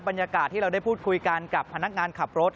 บรรยากาศที่เราได้พูดคุยกันกับพนักงานขับรถ